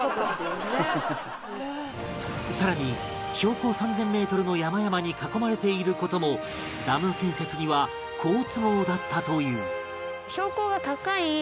さらに標高３０００メートルの山々に囲まれている事もダム建設には好都合だったという